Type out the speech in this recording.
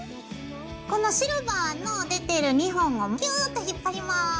このシルバーの出てる２本をギューッと引っ張ります。